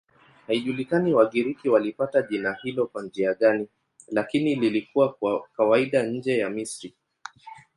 Haijulikani Wagiriki walipata jina hilo kwa njia gani, lakini lilikuwa kawaida nje ya Misri.